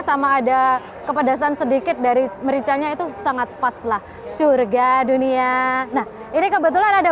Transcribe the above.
sama ada kepedasan sedikit dari mericanya itu sangat paslah surga dunia nah ini kebetulan ada